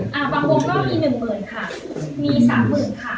บางวงก็มี๑เมือนค่ะ